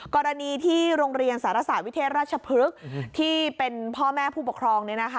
กรณีที่โรงเรียนสารศาสตร์วิเทศราชพฤกษ์ที่เป็นพ่อแม่ผู้ปกครอง